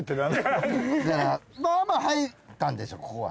まあまあ入ったんでしょここが。